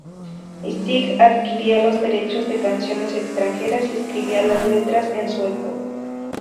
Stig adquiría los derechos de canciones extranjeras y escribía las letras en sueco.